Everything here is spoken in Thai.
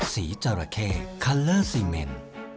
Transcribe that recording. จราเข้คัลเลอร์ซีเมน